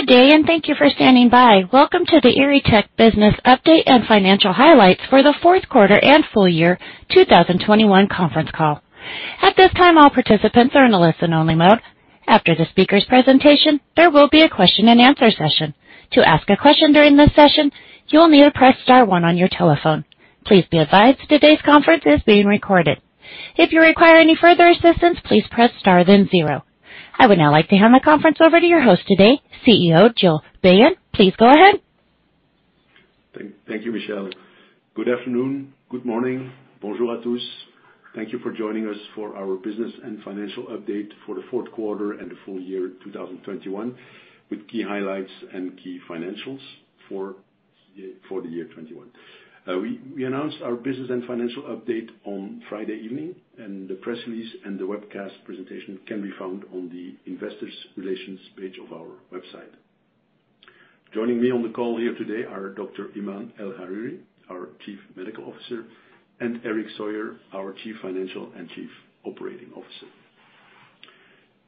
Good day, and thank you for standing by. Welcome to the Erytech Business Update and Financial Highlights for the Q4 and full year 2021 conference call. At this time, all participants are in a listen-only mode. After the speaker's presentation, there will be a question-and-answer session. To ask a question during this session, you'll need to press star one on your telephone. Please be advised today's conference is being recorded. If you require any further assistance, please press star then zero. I would now like to hand the conference over to your host today, CEO Gil Beyen. Please go ahead. Thank you, Michelle. Good afternoon, good morning. Thank you for joining us for our business and financial update for the Q4 and the full year 2021, with key highlights and key financials for the year 2021. We announced our business and financial update on Friday evening, and the press release and the webcast presentation can be found on the investor relations page of our website. Joining me on the call here today are Dr. Iman El-Hariry, our Chief Medical Officer, and Eric Soyer, our Chief Financial and Chief Operating Officer.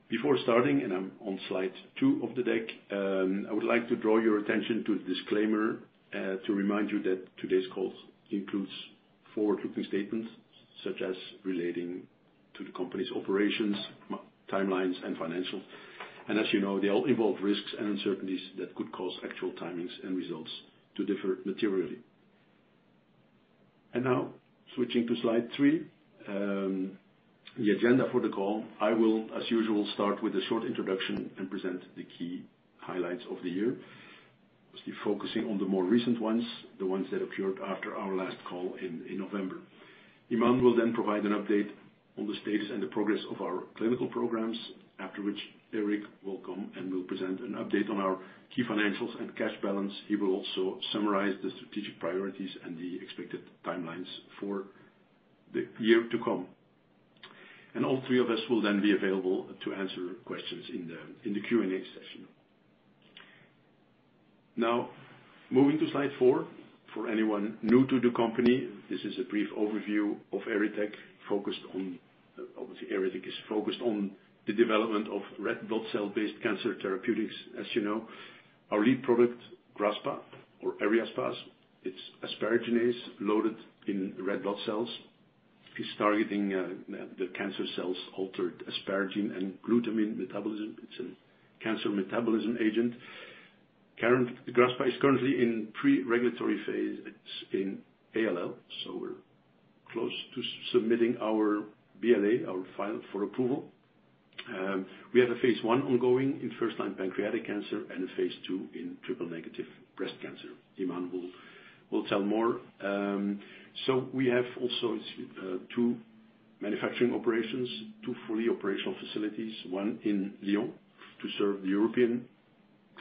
Before starting, I'm on slide 2 of the deck. I would like to draw your attention to the disclaimer to remind you that today's call includes forward-looking statements, such as relating to the company's operations, timelines, and financials. As they all involve risks and uncertainties that could cause actual timings and results to differ materially. Now, switching to slide three, the agenda for the call, I will, as usual, start with a short introduction and present the key highlights of the year. Mostly focusing on the more recent ones, the ones that occurred after our last call in November. Iman will then provide an update on the status and the progress of our clinical programs. After which, Eric will come and will present an update on our key financials and cash balance. He will also summarize the strategic priorities and the expected timelines for the year to come. All three of us will then be available to answer questions in the Q&A session. Now, moving to slide four. For anyone new to the company, this is a brief overview of Erytech. Obviously, Erytech is focused on the development of red blood cell-based cancer therapeutics, as. Our lead product, Graspa or eryaspase, it's asparaginase loaded in red blood cells. It's targeting the cancer cells altered asparagine and glutamine metabolism. It's a cancer metabolism agent. Graspa is currently in pre-regulatory phase. It's in ALL, so we're close to submitting our BLA, our file for approval. We have a Phase I ongoing in first-line pancreatic cancer and a Phase II in triple-negative breast cancer. Iman will tell more. We have also two manufacturing operations, two fully operational facilities. One in Lyon to serve the European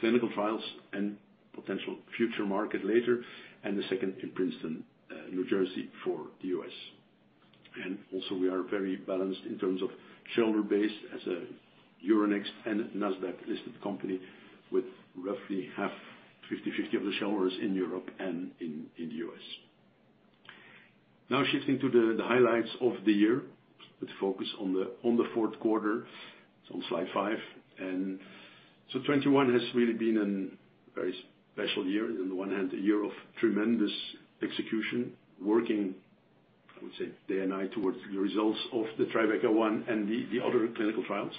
clinical trials and potential future market later, and the second in Princeton, New Jersey for the U.S. Also, we are very balanced in terms of shareholder base as a Euronext- and Nasdaq-listed company, with roughly half, 50-50, of the shareholders in Europe and in the U.S. Now shifting to the highlights of the year, with focus on the Q4. It's on slide 5. 2021 has really been a very special year. On the one hand, a year of tremendous execution, working, I would say, day and night towards the results of the TRYbeCA-1 and the other clinical trials.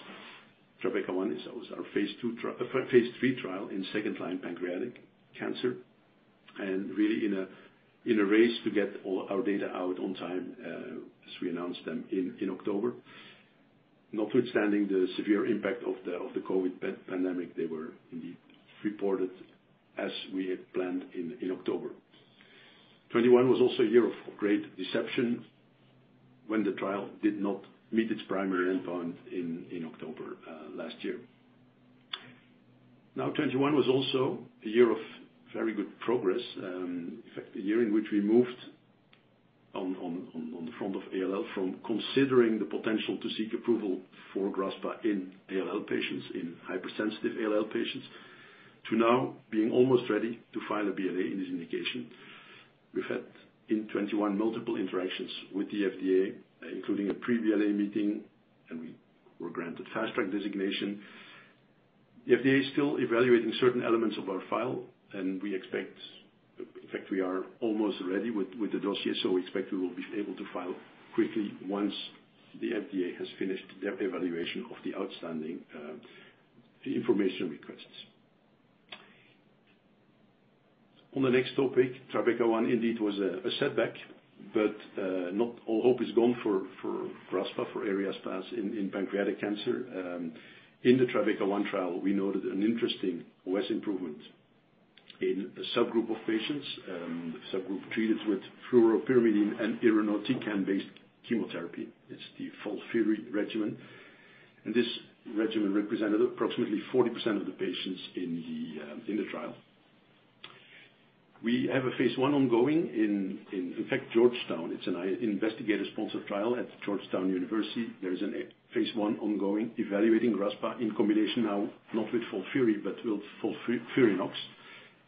TRYbeCA-1 was our Phase III trial in second-line pancreatic cancer, and really in a race to get all our data out on time, as we announced them in October. Notwithstanding the severe impact of the COVID pandemic, they were indeed reported as we had planned in October. 2021 was also a year of great deception when the trial did not meet its primary endpoint in October last year. Now, 2021 was also a year of very good progress. In fact, a year in which we moved on the front of ALL from considering the potential to seek approval for Graspa in ALL patients, in hypersensitive ALL patients, to now being almost ready to file a BLA in this indication. We've had, in 2021, multiple interactions with the FDA, including a pre-BLA meeting, and we were granted Fast Track designation. The FDA is still evaluating certain elements of our file, and we expect. In fact, we are almost ready with the dossier, so we expect we will be able to file quickly once the FDA has finished their evaluation of the outstanding information requests. On the next topic, TRYbeCA-1 indeed was a setback, but not all hope is gone for Graspa, for eryaspase in pancreatic cancer. In the TRYbeCA-1 trial, we noted an interesting OS improvement in a subgroup of patients treated with fluoropyrimidine and irinotecan-based chemotherapy. It's the FOLFIRI regimen. This regimen represented approximately 40% of the patients in the trial. We have a Phase I ongoing in effect, Georgetown. It's an investigator-sponsored trial at Georgetown University. There's a Phase I ongoing, evaluating Graspa in combination now, not with FOLFIRI, but with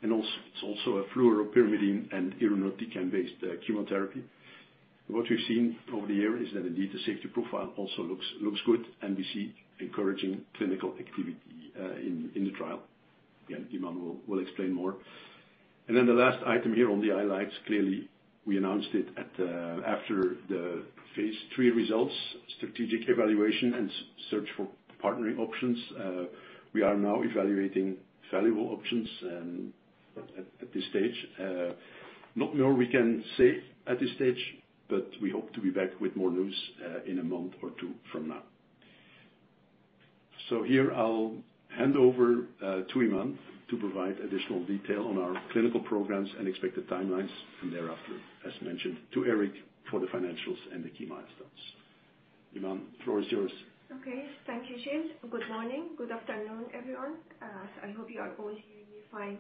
FOLFIRINOX. It's also a fluoropyrimidine and irinotecan-based chemotherapy. What we've seen over the year is that indeed the safety profile also looks good, and we see encouraging clinical activity in the trial. Again, Iman will explain more. The last item here on the highlights, clearly, we announced it at, after the Phase III results, strategic evaluation and search for partnering options. We are now evaluating various options, and at this stage, no more we can say at this stage, but we hope to be back with more news in a month or two from now. Here I'll hand over to Iman to provide additional detail on our clinical programs and expected timelines. Thereafter, as mentioned, to Eric for the financials and the key milestones. Iman, floor is yours. Okay. Thank you, Gil Beyen. Good morning. Good afternoon, everyone. I hope you are all hearing me fine.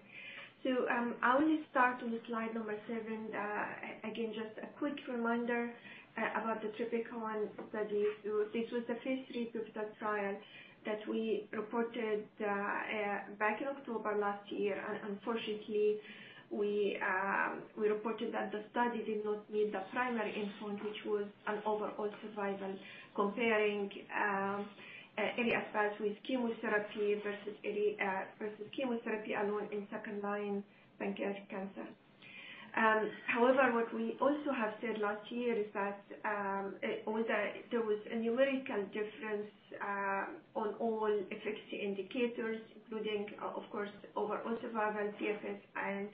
I will start on slide number 7. Again, just a quick reminder about the TRYbeCA-1 study. This was the Phase III pivotal trial that we reported back in October last year. Unfortunately, we reported that the study did not meet the primary endpoint, which was an overall survival comparing eryaspase with chemotherapy versus chemotherapy alone in second-line pancreatic cancer. However, what we also have said last year is that although there was a numerical difference on all efficacy indicators, including of course, overall survival, PFS, and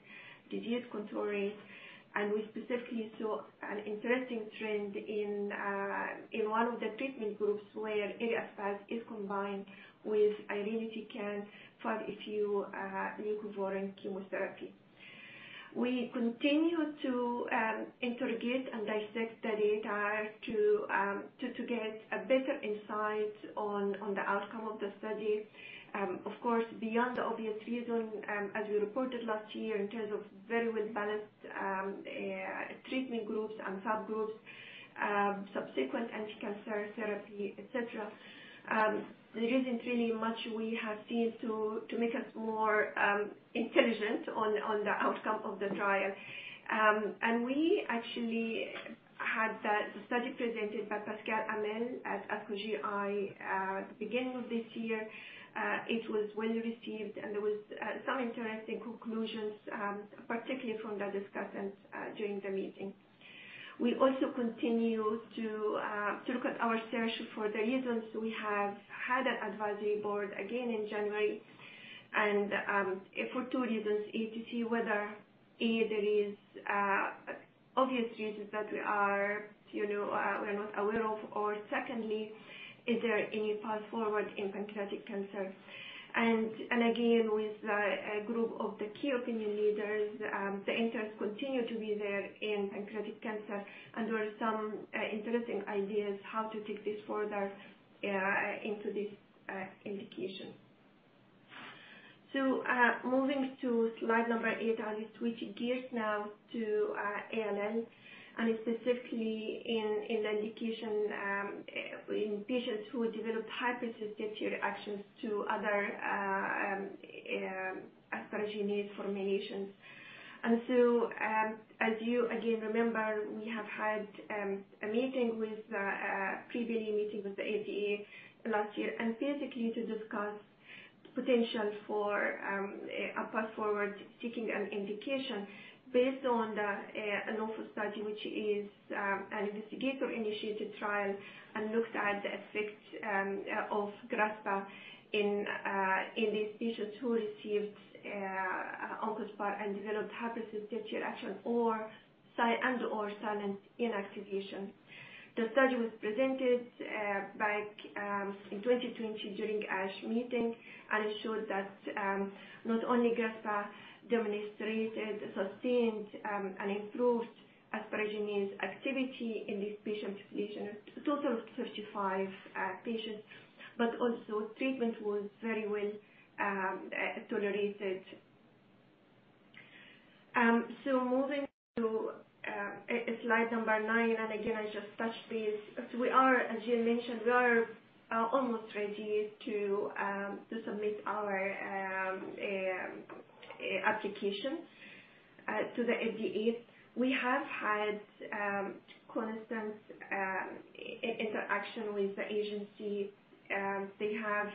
disease control rate, and we specifically saw an interesting trend in one of the treatment groups where eryaspase is combined with irinotecan, 5-FU, leucovorin chemotherapy. We continue to interrogate and dissect the data to get a better insight on the outcome of the study. Of course, beyond the obvious reason, as we reported last year in terms of very well-balanced treatment groups and subgroups, subsequent anti-cancer therapy, et cetera, there isn't really much we have seen to make us more intelligent on the outcome of the trial. We actually had the study presented by Pascal Hammel at ASCO GI at the beginning of this year. It was well-received, and there was some interesting conclusions, particularly from the discussants, during the meeting. We also continue to look at our search for the reasons we have had an advisory board again in January and for two reasons. To see whether there is obvious reasons that we are we're not aware of, or secondly, is there any path forward in pancreatic cancer? Again, with a group of the key opinion leaders, the interest continue to be there in pancreatic cancer, and there are some interesting ideas how to take this further into this indication. Moving to slide 8. I'll just switch gears now to ALL and specifically in the indication in patients who develop hypersensitivity reactions to other asparaginase formulations. As you again remember, we have had a Pre-BLA meeting with the FDA last year, and specifically to discuss potential for a path forward seeking an indication based on the study which is an investigator-initiated trial and looked at the effect of Graspa in these patients who received Oncaspar and developed hypersensitivity reaction and/or silent inactivation. The study was presented back in 2020 during ASH meeting and showed that not only Graspa demonstrated sustained and improved asparaginase activity in these patient population, a total of 35 patients, but also treatment was very well tolerated. Moving to slide number 9, and again, I just touched this. We are, as Gil mentioned, almost ready to submit our application to the FDA. We have had constant interaction with the agency. They have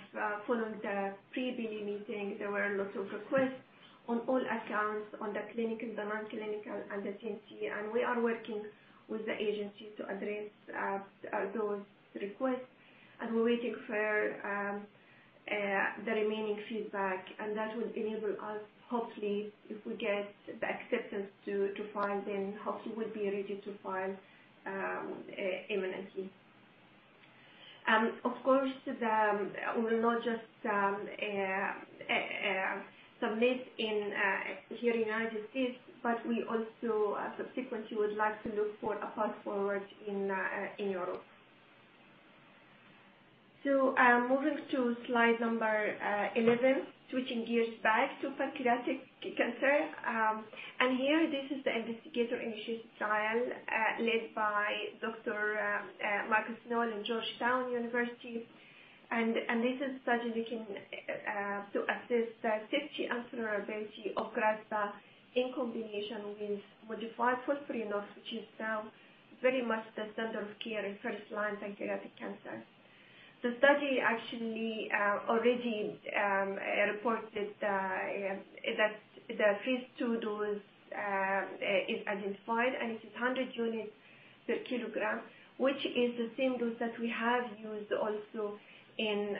followed the Pre-BLA meeting. There were a lot of requests on all accounts on the clinical and the non-clinical and the CMC, and we are working with the agency to address those requests. We're waiting for the remaining feedback, and that would enable us, hopefully, if we get the acceptance to file. Hopefully we'll be ready to file imminently. Of course, we'll not just submit here in the United States, but we also subsequently would like to look for a path forward in Europe. Moving to slide number 11. Switching gears back to pancreatic cancer. This is the investigator-initiated trial led by Dr. Marcus Noel, Georgetown University. This is a study looking to assess the safety and tolerability of Graspa in combination with modified FOLFIRINOX, which is now very much the standard of care in first-line pancreatic cancer. The study actually already reported that the Phase II dose is identified and it is 100 units per kilogram, which is the same dose that we have used also in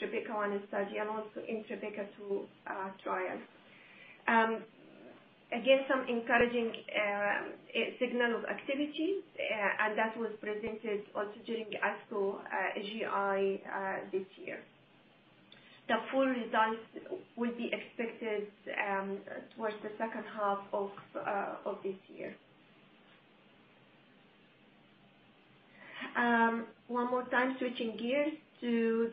TRYbeCA-1 study and also in TRYbeCA-2 trial. Again, some encouraging signal of activity, and that was presented also during ASCO GI this year. The full results will be expected towards the H2 of this year. One more time switching gears to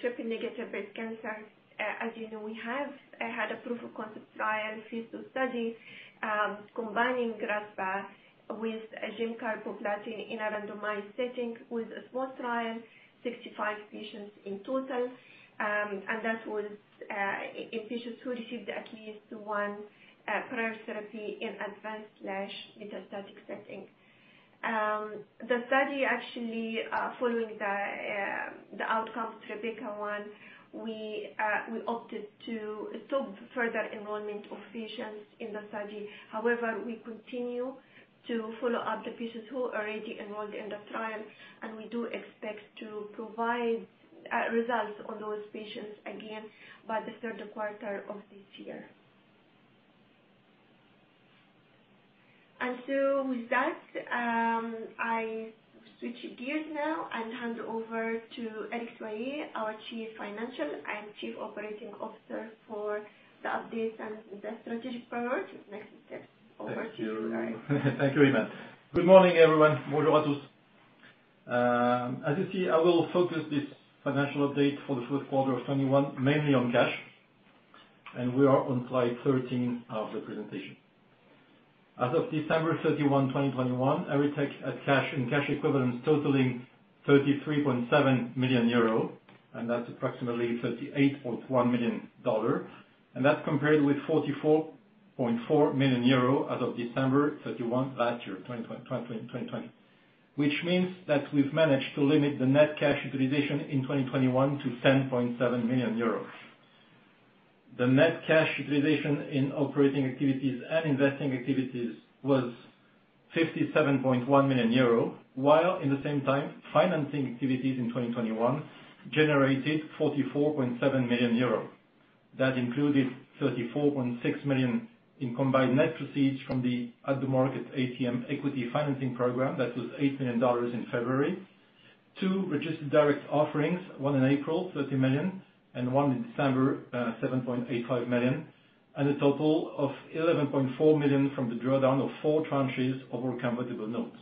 triple-negative breast cancer. As we have had a proof of concept trial Phase II study combining Graspa with gemcitabine platinum in a randomized setting with a small trial, 65 patients in total. That was in patients who received at least one prior therapy in advanced/metastatic setting. The study actually following the outcome TRYbeCA-1, we opted to stop further enrollment of patients in the study. However, we continue to follow up the patients who already enrolled in the trial, and we do expect to provide results on those patients again by the Q3 of this year. With that, I switch gears now and hand over to Eric Soyer, our Chief Financial and Chief Operating Officer for the updates and the strategic priorities. Next step over to you, Eric. Thank you. Thank you, Iman. Good morning, everyone. As you see, I will focus this financial update for the Q1 of 2021 mainly on cash, and we are on slide 13 of the presentation. As of December 31, 2021, Erytech had cash and cash equivalents totaling 33.7 million euro, and that's approximately $38.1 million. That's compared with 44.4 million euro as of December 31, 2020. Which means that we've managed to limit the net cash utilization in 2021 to 10.7 million euros. The net cash utilization in operating activities and investing activities was 57.1 million euro, while in the same time, financing activities in 2021 generated 44.7 million euros. That included 34.6 million in combined net proceeds from the at-the-market ATM equity financing program. That was $8 million in February. Two registered direct offerings, one in April, $30 million, and one in December, $7.85 million, and a total of $11.4 million from the drawdown of four tranches of our convertible notes.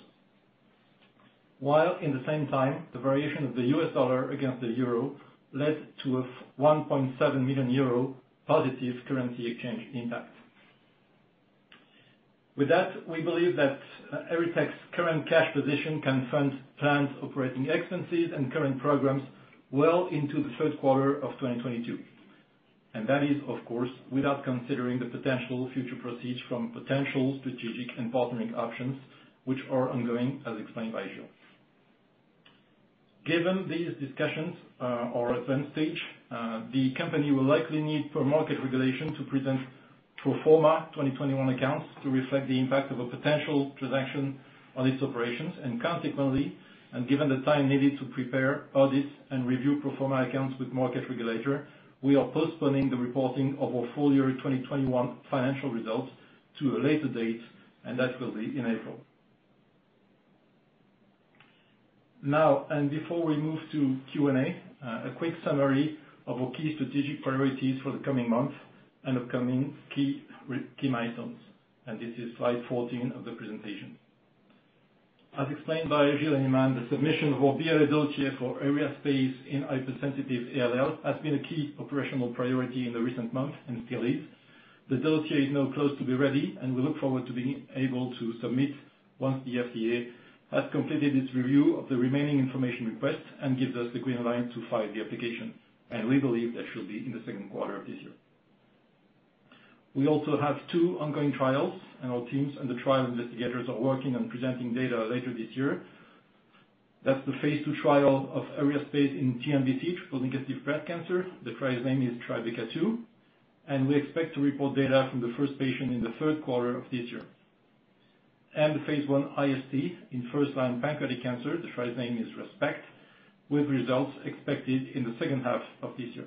While in the same time, the variation of the U.S. dollar against the euro led to a 1.7 million euro positive currency exchange impact. With that, we believe that, Erytech's current cash position can fund planned operating expenses and current programs well into the Q3 of 2022. That is, of course, without considering the potential future proceeds from potential strategic and partnering options, which are ongoing, as explained by Gil Beyen. Given these discussions are at an advanced stage, the company will likely need per market regulation to present pro forma 2021 accounts to reflect the impact of a potential transaction on its operations, and consequently, given the time needed to prepare audits and review pro forma accounts with market regulator, we are postponing the reporting of our full year 2021 financial results to a later date, and that will be in April. Now, before we move to Q&A, a quick summary of our key strategic priorities for the coming months and upcoming key milestones, and this is slide 14 of the presentation. As explained by Gil Beyen and Iman El-Hariry, the submission of our BLA dossier for eryaspase in hypersensitive ALL has been a key operational priority in the recent months and still is. The dossier is now close to be ready, and we look forward to being able to submit once the FDA has completed its review of the remaining information requests and gives us the green light to file the application, and we believe that should be in the Q2 of this year. We also have two ongoing trials, and our teams and the trial investigators are working on presenting data later this year. That's the Phase II trial of eryaspase in TNBC, triple-negative breast cancer. The trial's name is TRYbeCA-2, and we expect to report data from the first patient in the Q3 of this year. The Phase I IST in first-line pancreatic cancer, the trial's name is rESPECT, with results expected in the H2 of this year.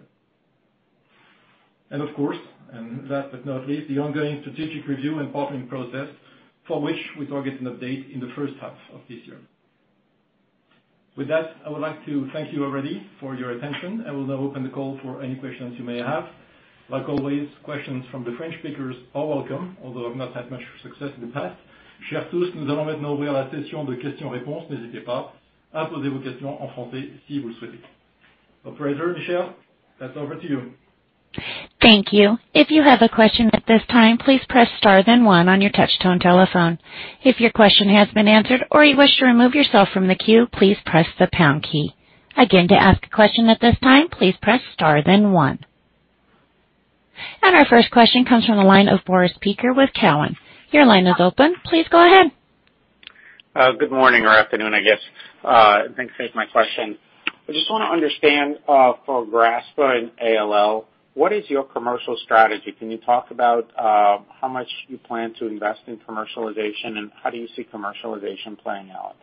POf course, and last but not least, the ongoing strategic review and partnering process for which we target an update in the H1 of this year. With that, I would like to thank you already for your attention. I will now open the call for any questions you may have. Like always, questions from the French speakers are welcome, although I've not had much success in the past. Operator Michelle, pass over to you. Our first question comes from the line of Boris Peaker with Cowen. Your line is open. Please go ahead. Good morning or afternoon, I guess. Thanks for taking my question. I just wanna understand, for Graspa and ALL, what is your commercial strategy? Can you talk about how much you plan to invest in commercialization, and how do you see commercialization playing out?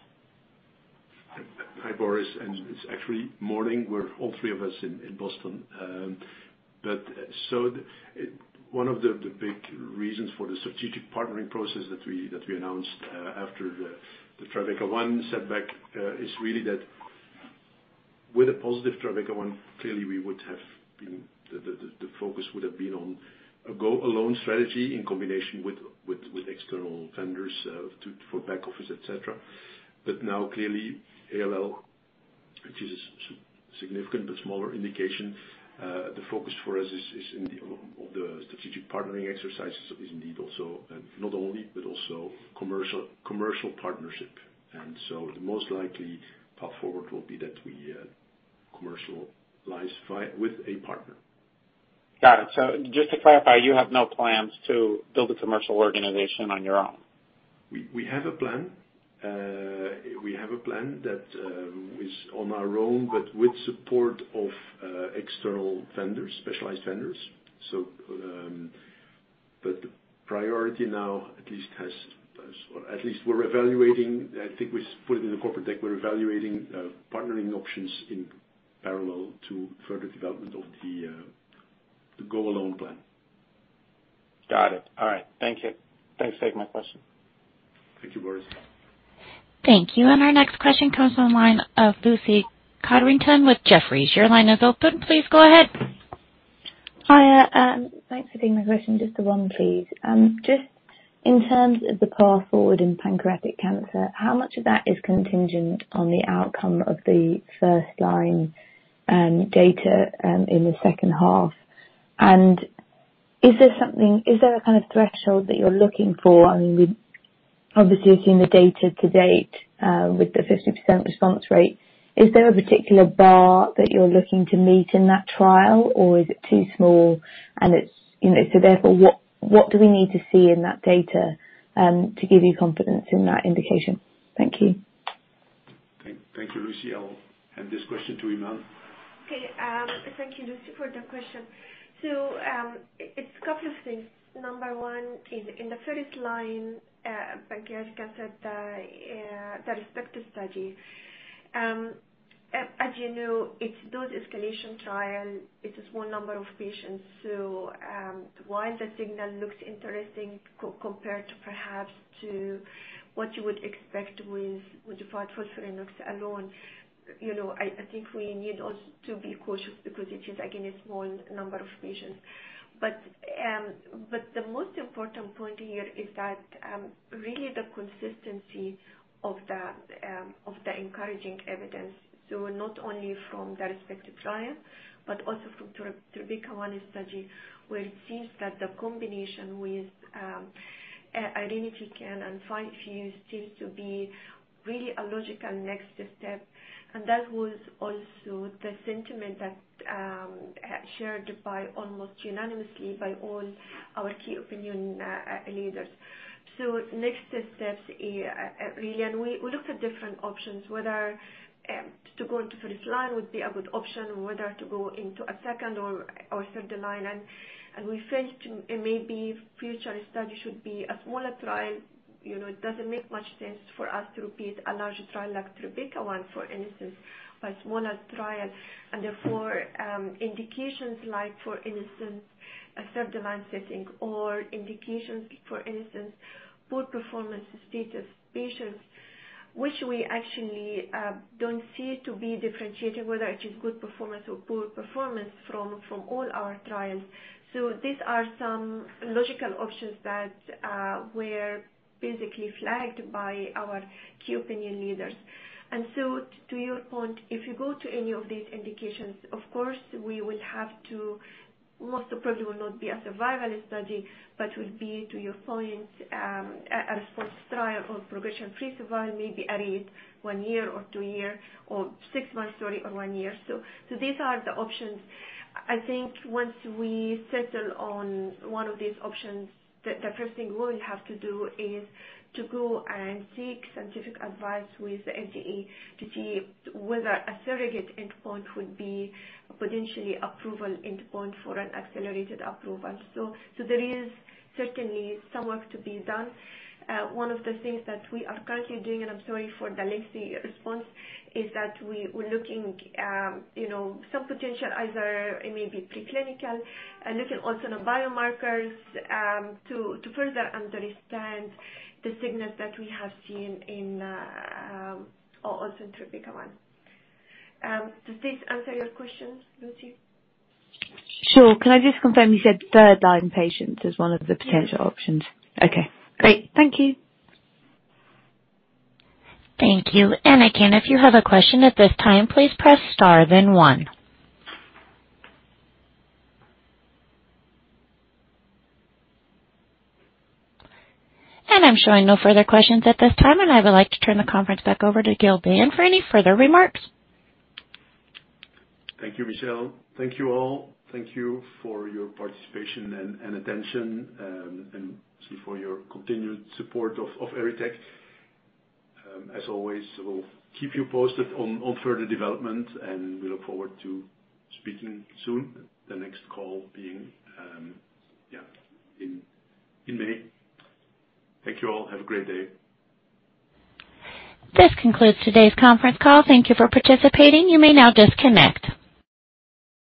Hi, Boris Peaker, and it's actually morning. We're all three of us in Boston. One of the big reasons for the strategic partnering process that we announced after the TRYbeCA-1 setback is really that with a positive TRYbeCA-1, clearly the focus would have been on a go-alone strategy in combination with external vendors for back office, et cetera. But now clearly ALL, which is significant but smaller indication, the focus for us is on the strategic partnering exercises is indeed also, not only, but also commercial partnership. The most likely path forward will be that we commercialize with a partner. Got it. Just to clarify, you have no plans to build a commercial organization on your own. We have a plan that is on our own, but with support of external vendors, specialized vendors. The priority now at least has or at least we're evaluating. I think we put it in the corporate deck. We're evaluating partnering options in parallel to further development of the go-alone plan. Got it. All right. Thank you. Thanks. Take my question. Thank you, Boris. Thank you. Our next question comes from the line of Lucy Codrington with Jefferies. Your line is open. Please go ahead. Hi, thanks for taking my question. Just the one, please. Just in terms of the path forward in pancreatic cancer, how much of that is contingent on the outcome of the first-line data in the H2? Is there a kind of threshold that you're looking for? I mean, we obviously have seen the data to date with the 50% response rate. Is there a particular bar that you're looking to meet in that trial or is it too small and it's so therefore what do we need to see in that data to give you confidence in that indication? Thank you. Thank you, Lucy. I'll hand this question to Iman El-Hariry. Okay. Thank you, Lucy, for the question. It's a couple of things. Number one is in the first-line pancreatic cancer, the rESPECT study. As it's a dose-escalation trial, it's a small number of patients. While the signal looks interesting compared to perhaps to what you would expect with the FOLFIRINOX alone I think we need also to be cautious because it is again a small number of patients. The most important point here is that really the consistency of the encouraging evidence, so not only from the rESPECT trial but also from TRYbeCA-1 study, where it seems that the combination with irinotecan and 5-FU seems to be really a logical next step. That was also the sentiment that shared by almost unanimously by all our key opinion leaders. Next steps is really and we looked at different options whether to go into first line would be a good option or whether to go into a second or third line. We felt maybe future study should be a smaller trial. it doesn't make much sense for us to repeat a larger trial like TRYbeCA-1, for instance, but smaller trial and therefore indications like for instance, a third line setting or indications for instance, poor performance status patients, which we actually don't see to be differentiated, whether it is good performance or poor performance from all our trials. These are some logical options that were basically flagged by our key opinion leaders. To your point, if you go to any of these indications, of course it most probably will not be a survival study, but will be to your point, a response trial or progression-free survival, maybe at one year or two year or six months, sorry, or one year. These are the options. I think once we settle on one of these options, the first thing we'll have to do is to go and seek scientific advice with the EMA to see whether a surrogate endpoint would be potentially approval endpoint for an accelerated approval. There is certainly some work to be done. One of the things that we are currently doing, and I'm sorry for the lengthy response, is that we're looking some potential either it may be preclinical, looking also in the biomarkers, to further understand the signals that we have seen in, also in TRYbeCA-1. Does this answer your question, Lucy? Sure. Can I just confirm you said third line patients is one of the potential options? Yes. Okay, great. Thank you. Thank you. Again, if you have a question at this time, please press star then one. I'm showing no further questions at this time, and I would like to turn the conference back over to Gil Beyen for any further remarks. Thank you, Michelle. Thank you all. Thank you for your participation and attention, and for your continued support of Erytech. As always, we'll keep you posted on further development, and we look forward to speaking soon. The next call being in May. Thank you all. Have a great day. This concludes today's conference call. Thank you for participating. You may now disconnect.